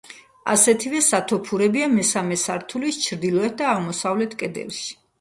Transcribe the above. ასეთივე სათოფურებია მესამე სართულის ჩრდილოეთ და აღმოსავლეთ კედელში.